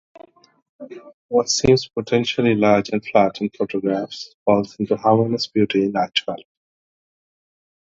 What seems potentially large and flat in photographs falls into harmonious beauty in actuality.